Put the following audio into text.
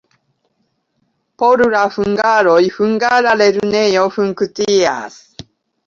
Por la hungaroj hungara lernejo funkcias.